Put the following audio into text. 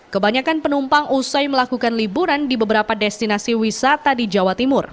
kebanyakan penumpang usai melakukan liburan di beberapa destinasi wisata di jawa timur